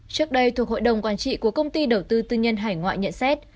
trước đây thuộc hội đồng quản trị của công ty đầu tư tư nhân hải ngoại nhận xét